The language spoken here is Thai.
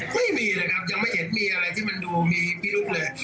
ไม่มีเลยครับยังไม่เห็นมีอะไรที่มันดูมีพิรุษเลย